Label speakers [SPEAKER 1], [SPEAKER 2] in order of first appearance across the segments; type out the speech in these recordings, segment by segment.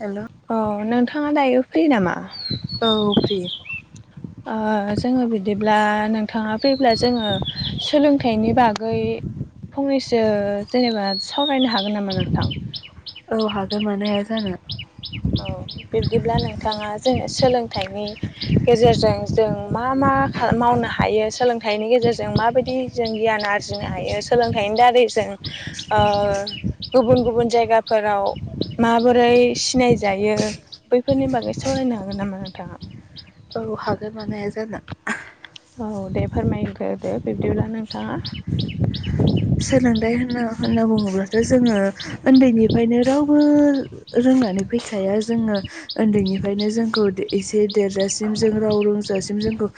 [SPEAKER 1] हेल'
[SPEAKER 2] औ नोंथाङा दायो फ्रि नामा
[SPEAKER 1] औ फ्रि
[SPEAKER 2] जोङो बिदिब्ला नोंथाङा फ्रिब्ला जोङो सोलोंथाइनि बागै फंनैसो जेनेबा सावरायनो हागोन नामा नोंथां
[SPEAKER 1] औ हागोन मानो हाया जानो
[SPEAKER 2] औ बिब्दिब्ला नोंथाङा जोंङो सोलोंथाइनि गेजेरजों जों मा मा मा मावनो हायो सोलोंथाइनि गेजेरजों माबायदि जों गियान आरजिनो हायो सोलोंथाइनि दारै गुबुन गुबुन जायगाफोराव माबोरै सिनाय जायो बैफोरनि बागै सावरायनो हागोन नामा नोंथाङा
[SPEAKER 1] औ हागोन मानो हाया जानो
[SPEAKER 2] औ दे फोरमायग्रोखो दे बिब्दिब्ला नोंथाङा
[SPEAKER 1] सोलोंथाइ होनना होनना बुङोब्लाथ जोङो उन्दैनिफ्रायनो रावबो रों फैखाया जोङो उन्दैनिफ्रायनो जोंखौ एसे देरजासिम जों राव रोंजासिम ज जोंखौ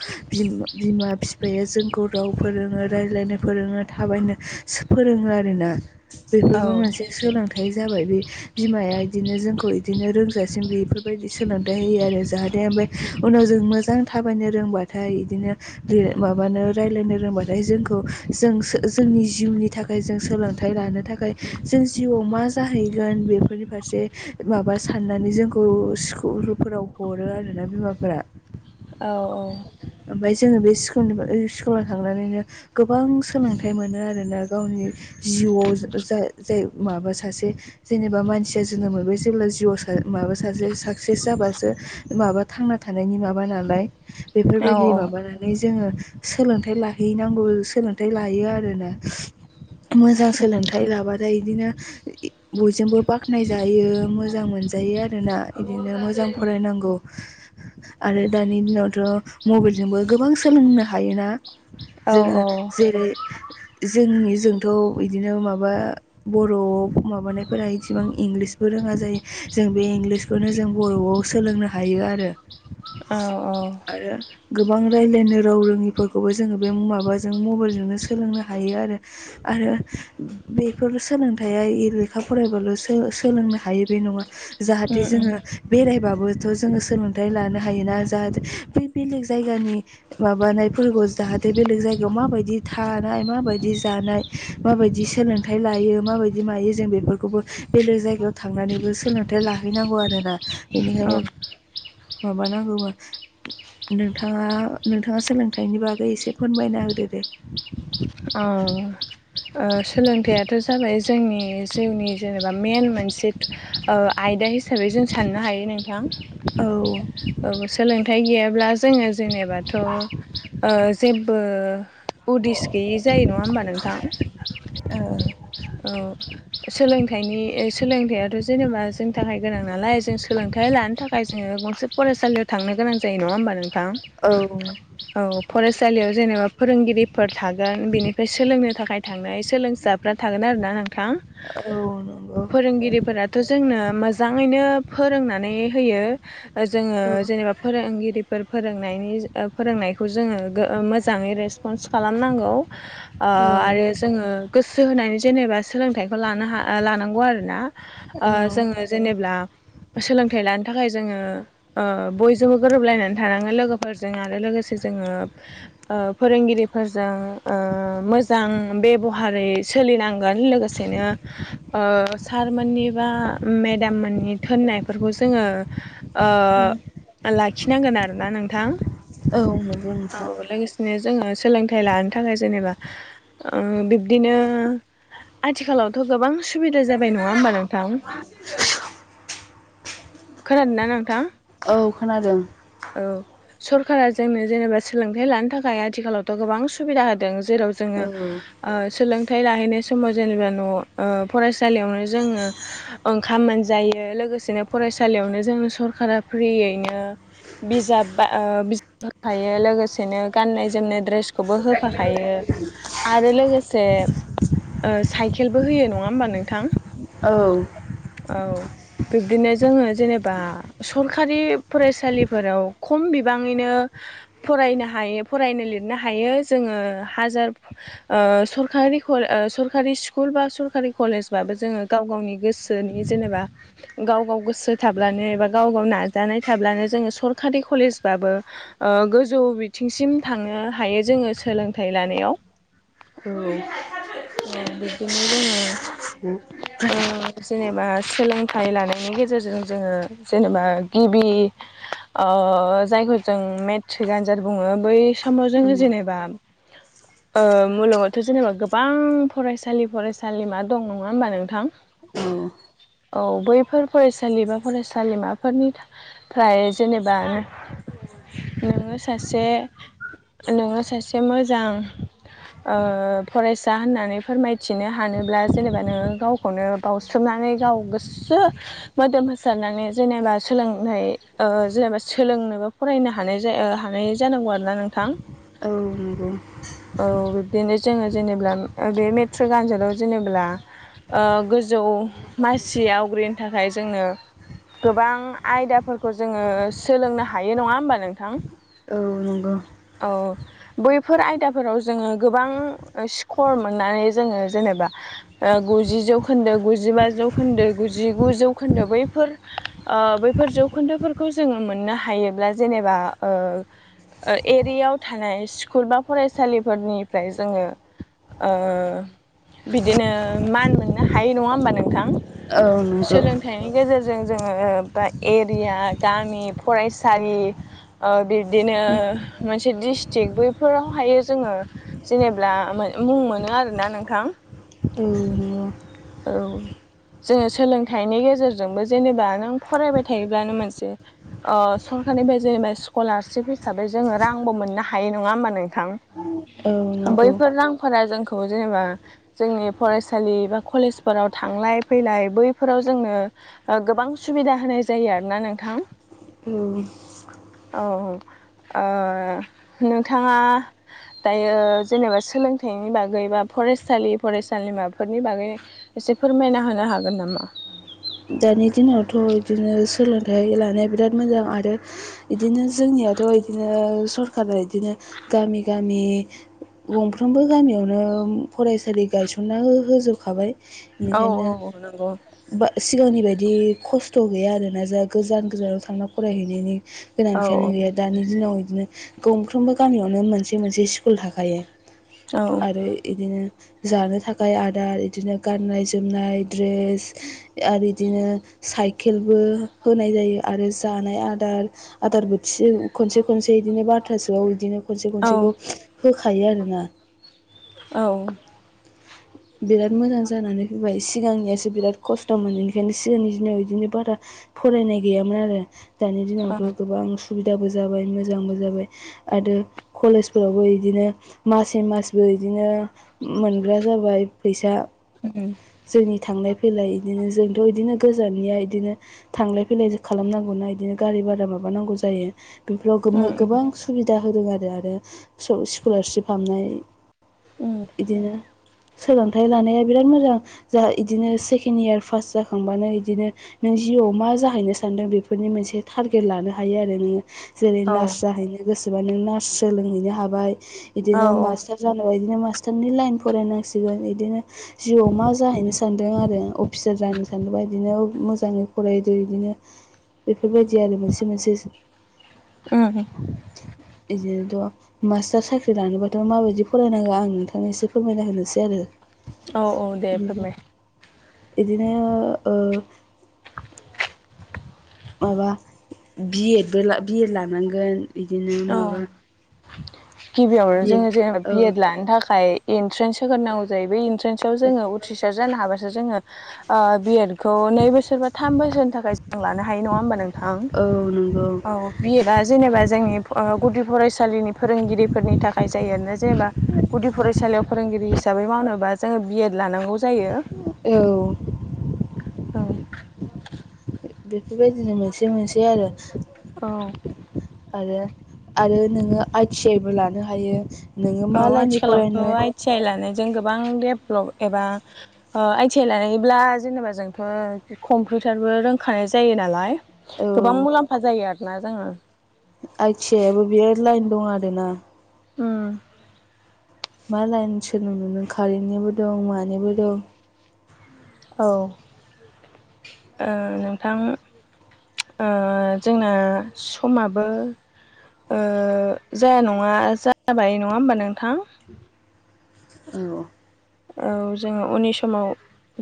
[SPEAKER 1] बिमा बिफाया जोंखौ राव फोरोङो रायज्लायनो फोरोङो थाबायनो फोरोङो आर ना
[SPEAKER 2] औ
[SPEAKER 1] बेफोरबो मोनसे सोलोंथाइ जाबाय बे बिमाया बिदिनो जोंखौ बिदिनो रोंजासिम बेफोरबायदि सोलोंथाइ होयो आरो जाहाथे उनाव जों मोजां थाबायनो रोंबाथाय इदिनो माबनो रायलायनो रोंबाथाय जों जोंखौ जोंसो जोंनि जिउनि थाखाय जों सोलोंथाइ लानो थाखाय जों जिउआव मा जाहैगोन बेफोरनि फारसे माबा साननानै जोंखौ स्कुलफोराव हरो आरोना बिमाफोरा
[SPEAKER 2] औ औ
[SPEAKER 1] ओमफ्राय जोङो बे स्कुलनि स्कुलाव थांनानैनो गोबां सोलोंथाइ मोनो आरो गावनि जिउआव जाय माबा सासे जेनेबा मानसिया जोनोम मोनबाय ज जेब्ला जिउआव माबा सासे साक्सेस जाबासो माबा थांना थानायनि माबा नालाय
[SPEAKER 2] औ
[SPEAKER 1] बेफोरबायदि माबानानै जोङो सोलोंथाइ लाहैनांगौ सोलोंथाइ लायो आरोना मोजां सोलोंथाइ लाब ओमफ्राय बिदिनो बयजोंबो बाख्नायजायो मोजां मोनजायो आरोना बिदिनो मोजां फरायनांगौ आरो दानि दिनावथ मबाइलजोंबो गोबां सोलोंनो हायोना
[SPEAKER 2] औ
[SPEAKER 1] जोङो जेरै जोंनि जोंथ' बिदिनो माबा बर' माबानायफोरा इसेबां इंलिसबो रोङा जों बे इंलिसखौनो जों बर'आव सोलोंनो हायो आरो
[SPEAKER 2] औ औ
[SPEAKER 1] आरो गोबां रायज्लायनो राव रोङिफोरखौबो जोङो बे माबाजों मबाइलजोंनो सोलोंनो ह हायोआरो बेफोर सोलोंथाइ लेखा फरायबाल'ों हायो बे नङा जाहाथे
[SPEAKER 2] उम उम
[SPEAKER 1] जोङो बेराय जोङो सोलोंथाइ लानो हायोोना जाहाथे बै बेलेग जायगानि माबानायफोरखौ जाहाथे बेलेग जायगायाव माबायदि थार थानाय माबिदि जिनाय माबादि सोलोंथाय लायो माबादि मायो जों बेफोरखौबो जायगायाव थांनानैबो सोलोंथाइ लाहैनांगौ आरोना बेनिखायनो
[SPEAKER 2] औ
[SPEAKER 1] माबानांगौ मा नोंथाङा नोंथाङा सोलोंथाइनि बागै एसे फोरमायना होदो दे
[SPEAKER 2] औ सोलोंथाइयाथ जाबाय जोंनि जिउनि जेनेबा मेन मोन से आयदा हिसाबै जों साननो हायो नोंथां
[SPEAKER 1] औ
[SPEAKER 2] औ सोलोंथाइ गैयाब्ला जोङो जेनेबाथ' ओ जेबो उदिस गैयि जायो नङा होमबा नोंथां
[SPEAKER 1] औ
[SPEAKER 2] औ सोलोंथाइनि सोलोंथाइथ' जेनेबा जोंनि थाखाय गोनां नालाय जों सोलोंथाइ थाइ लानो थाखाय जोङो गंसे फरायसालियाव थांनो गोनां जायो नङा होमबा नोंथां
[SPEAKER 1] औ
[SPEAKER 2] औ फरायसालियाव जेनेबा फोरोंगिरिफोर थागोन बिनिफ्राय सोलोंनो थाखाय थांनाय सोलोंसाफ्रा थागोन आरोना नोंथां
[SPEAKER 1] औ नंगौ
[SPEAKER 2] फोरोंगिरिफोराथ' जोंनो मोजाङैनो फोरोंनानै होयो जोङो
[SPEAKER 1] औ
[SPEAKER 2] जेनेबा फोरोंगिरि फोर फोरोंनायनि ओ फोरोंनायखौ जोङो ओ मोजाङै रेसपन्स खालामनांगौ ओ
[SPEAKER 1] औ
[SPEAKER 2] आरो जोङो गोसो सो होनानै जेनेबा सोलोंथाइखौ लानो हा लानांगौ आरो ना ओ
[SPEAKER 1] औ
[SPEAKER 2] जोङो जेनेब्ला सोलोंथाइ लानो थाखाय जो ओ बयजोंबो गोरोबलायनानै थानाङो लोगोफोरजों आरो लोगोसे जोङो ओ फोरोंगिरिफोरजों ओ मोजां बेब'हारै सोलिनांगोन लोगोसेनो ओ सारमोननि बा मेदाम मोननि थोन नायफोरखौ जोङो ओ लाखिनांगोन आरोना नोंथां
[SPEAKER 1] औ नगौ
[SPEAKER 2] औ
[SPEAKER 1] नोंथां
[SPEAKER 2] लोगोसेनो जोङो सोलोंथाइ लानो थाखाय जेनेबा ओ बिब्दिनो आथिखालावथ' गोबां उसुबिदा जाबाय नङा होमबा नोंथां खोनादोंना नोंथां
[SPEAKER 1] औ खोनादों
[SPEAKER 2] औ सरकारा जोंनो जेनेबा सोलोंथाइ लानो थाखाय आथिखालावथ' गोबां सुबिदा होदों जेराव
[SPEAKER 1] औ
[SPEAKER 2] जोङो ओ सोलों थाइ लाहैनाय समाव जेनेबा न' ओ फरायसालियावनो जोङो ओंखाम मोनजायो लोगोसेनो फरायसालियावनो जोंनो सरकारा फ्रियैनो बिजाब बा होखायो लोगोसेनो गाननाय जोमनाय ड्रेसखौबो होफाखायो आरो लोगोसे ओ साइकेलबो होयो नङा होमबा नोंथां
[SPEAKER 1] औ
[SPEAKER 2] औ बिब्दिनो जोङो जेनेबा सरखारि फरायसालिफोराव ङैनो फरायनो हायो फरायनो लिरनो हायो जोङो हाजार ओ सरकारि कल ओ सरकारि स्कुल बा सरकारि कलेज बाबो जोङो गाव गावनि गोसोनि जेनेबा गाव गाव गोसो थाब्लानो एबा गाव गाव नाजानाय थाब्लानो जोङो सरखारि कलेज बाबो गोजौ बिथिंसिम थांनो हायो जोङो सोलोंथाइ लानायाव
[SPEAKER 1] औ
[SPEAKER 2] औ बिब्दिनो जोङो ओ जेनेबा सोलों थाइ लानायनि गेजेरजों जोङो जेनेबा गिबि ओ जायखौ जों मेट्रिक आनजाद बुङो बै समाव जोङो जेनेबा ओ मुलुगावथ' जेनेबा गोबां फरायसालि फरायसालिमा दं नङा होमबा नोंथां
[SPEAKER 1] औ
[SPEAKER 2] औ बैफोर फरायसालि बा फरायसालिमाफोरनिफ्राय जेनेबा नोङो सासे नोङो सासे मोजां ओ फरायसा होननानै फोरमायथिनो हानोब्ला जेनेबा नोङो गावखौनो बासोमना माने गाव गोसो मोदोम होसारनानै जेनेबा सोलोंनाय ओ जेनेबा सोलोंनोबो फरायनो हानाय ज हानाय जानांगौ आरोना नोंथां
[SPEAKER 1] औ नंगौ
[SPEAKER 2] औ बिब्दिनो जोङो जेनेब्ला बे मेट्रिक आनजादाव जेनेबा ओ गोजौ मासि आवग्रिनो थाखाय जोंनो गोबां आयदाफोरखौ जोङो सोलोंनो हायो नङा होमबा नोंथां
[SPEAKER 1] औ नंगौ
[SPEAKER 2] औ बैफोर आयदाफोराव जोङो गोबां सिकर मोननानै जोङो जेनेबा ओ गु गुजि जौखोन्दो गुजिबा जौखोन्दो गुजिगु जौखोन्दो बैफोर ओ बैफोर जौ खुनदोफोरखौ जोङो मोननो हायोब्ला जेनेबा ओ एरियाव थानाय स्कुल बा फरायसालिफोरनिफ्राय जोङो ओ बिदिनो मान मोननो हायो नङा होमबा नोंथां
[SPEAKER 1] औ नंगौ औ
[SPEAKER 2] सोलोंथाइनि गेजेरजों जोङो बा एरिया गामि फरायस सालि ओ बिबदिनो मोनसे डिस्ट्रिक्ट बैफोराव हायो जोङो जेनेब्ला मो मुं मोनो आरोना नोंथां
[SPEAKER 1] नंगौ
[SPEAKER 2] औ जोङो सोलोंथाइनि गेजेरजोंबो जेनेबा नों फरायबाय थायोब्लानो मोनसे ओ सं खारनिफ्राय जेनेबा स्कलारशिप हिसाबै जोङो रांबो मोननो हायो नङा होमबा
[SPEAKER 1] औ
[SPEAKER 2] नोंथां
[SPEAKER 1] नंगौ
[SPEAKER 2] बैफोर रांफोरा जोंखौ जेनेबा जोंनि फरायसालि बा कलेजफोराव थांलाय फैलाय बैफोराव जोंनो गोबां सुबिदा होनाय जायो आरोना नोंथां थां
[SPEAKER 1] औ
[SPEAKER 2] औ ओ नोंथाङा दायो जेनेबा सोलोंथाइनि बागै बा फरायसालि फरायसालिमाफोरनि बागै एसे फोरमायना होनो हागोन नामा
[SPEAKER 1] दानि दिनावथ' बिदिनो सोलोंथाइ लानाया बिराद मोजां आरो इदिनो जोंनिया दाथ' इदिनो सरखारा इदिनो गामि गामि गंफ्रोमबो गामियावनो फरायसालि गायसनना हो होजोबखाबाय
[SPEAKER 2] औ
[SPEAKER 1] बेनिखायनो
[SPEAKER 2] औ नंगौ
[SPEAKER 1] बा सिगांनि बायदि खस्थ' गैया आरोना जा गोजान गोजानाव थांना फरायहैनायनि
[SPEAKER 2] औ
[SPEAKER 1] गोनांथियानो गैया दानि दिनाव बिदिनो गंफ्रोमबो गामियावनो मोनसे मोनसे स्कुल थाखायो
[SPEAKER 2] औ
[SPEAKER 1] आरो इदिनो जानो थाखाय आदार इदिनो गाननाय जोमनाय द्रेस आरो इदिनो साइकेलबो होनाय जायो आरो जानाय आदार आदार बोथि फिलिम खनसे खनसे इदिनो बारथासोआव बिदिनो खनसे खनसेखौ
[SPEAKER 2] औ
[SPEAKER 1] होखायो आरोना
[SPEAKER 2] औ
[SPEAKER 1] बिराद मोजां जानानै फैबाय सिगांनियासो बिराद खस्थ' मोन बेनिखायनो सिगांनि दिनाव बिदिनो बारा फरायनाय गैयामोन आरो दानि दिनावथ'
[SPEAKER 2] औ
[SPEAKER 1] गोबां सुबिदाबो जाबाय मोजांबो जाबाय आरो कलेजफोरावबो इदिनो मासै मासबो बिदिनो मोनग्रा जाबाय फैसा
[SPEAKER 2] उम
[SPEAKER 1] जोंनि थांनाय फैलाय इदिनो जोंथ' बिदिनो गोजाननिया बिदिनो थांलाय फैलाय खालामनांगौना बिदिनो गारि भारा मा माबानांगौ जायो बेफोराव गोमो
[SPEAKER 2] उम
[SPEAKER 1] गोबां सुबिदा होदों आरो आरो स स्कलारशिप हाबनाय
[SPEAKER 2] उम
[SPEAKER 1] इदिनो सोलोंथाइ लानाया बिराद मोजां जाहा इदिनो सेकेणड इयार पास जाखांबानो इदिनो नों जि याव मा जाहैनो सानदों बेफोरनि मोनसे टारगेट लानो हायो आरो नोङो जेरै
[SPEAKER 2] औ
[SPEAKER 1] नार्स जाहैनो गोसोबा नों नार्स सोलोंहैनो हाबाय बिदिनो
[SPEAKER 2] औ
[SPEAKER 1] मास्टार जानोबा नों मास्टारनि लाइन फरायनांसि सिगोन बिदिनो जिउआव मा जाहैनो सानदों आरो अफिसार जानो सानदोंबा बिदिनो मोजाङै फरायदो बिदिनो बेफोरबायदि आरो मोनसे मोनसे
[SPEAKER 2] थाङाखै
[SPEAKER 1] बिदिनोथ' मास्टार साख्रि लानोबाथ' माबायदि फरायनांगौ आं नोंथांनो एसे फोरमायना होनोसै आरो
[SPEAKER 2] औ औ दे फोरमाय
[SPEAKER 1] इदिनो ओ माबा बि एदबो बि एड लानांगोन बिदिनो
[SPEAKER 2] औ
[SPEAKER 1] माबा
[SPEAKER 2] गिबियावनो
[SPEAKER 1] बि एड
[SPEAKER 2] जोङो जेनेबा
[SPEAKER 1] औ
[SPEAKER 2] बि एड लानो थाखाय इन्ट्रेन्स होग्रोनांगौ जायो बे इन्ट्रेन्स आव जोङो उथ्रिसार जानो हाबासो जोङो बि एड खौ नै बोसोर बा थाम बोसोरनि थाखाय जों लानो हायो नङा होमबा नोंथां
[SPEAKER 1] औ नंगौ
[SPEAKER 2] औ बि एदा जेनेबा जोंनि गुदि फरायसालिनि फोरोंगिरिफोरनि थाखाय जायो आरोना जेनेबा गुदि फरायसालियाव फोरोंगिरि हिसाबै हिसाबै मावनोबा जोङो बिएड लानांगौ जायो
[SPEAKER 1] औ बेफोरबायदिनो मोनसे मोनसे आरो
[SPEAKER 2] औ
[SPEAKER 1] आरो आरो नोङो आइ टि आइबो लानो हायो नोङो
[SPEAKER 2] औ
[SPEAKER 1] मा लाइननि
[SPEAKER 2] आथिखालावथ
[SPEAKER 1] फरायनो
[SPEAKER 2] आइटि आइ लानाय गोबां देब्लब एबा आइ टि आइ थानायब्ला जेनबा जोंथ कम्पुटारबो रोंखानाय जायो नालाय
[SPEAKER 1] औ
[SPEAKER 2] गोबां मुलाम्फा जायो आरोोना जोङो
[SPEAKER 1] आइ टि आइयाबो बे लाइन दं आरोना
[SPEAKER 2] उम
[SPEAKER 1] मा लाइन सोलों नों कारेन्टनिबो दं मानिबो दं
[SPEAKER 2] औ नोंथां जोंना समाबो जाया नङा जाबाय नङा होमबा नोंथां
[SPEAKER 1] औ
[SPEAKER 2] औ जोङो उननि समाव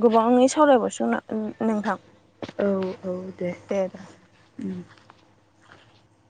[SPEAKER 2] गोबाङै सावरायबावसो नोंथां
[SPEAKER 1] औ औ दे